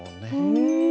うん！